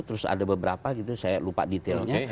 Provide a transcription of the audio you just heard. terus ada beberapa gitu saya lupa detailnya